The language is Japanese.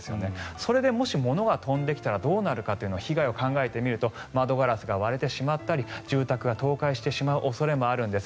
それでもし、物が飛んできたらどうなるか被害を考えてみると窓ガラスが割れてしまったり住宅が倒壊してしまう恐れもあるんです。